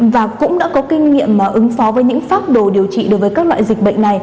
và cũng đã có kinh nghiệm ứng phó với những pháp đồ điều trị đối với các loại dịch bệnh này